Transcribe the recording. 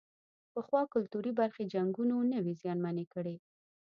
پخوا کلتوري برخې جنګونو نه وې زیانمنې کړې.